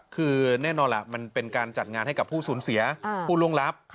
คือแน่นอนล่ะมันเป็นการจัดงานให้กับผู้สูญเสียผู้ล่วงลับ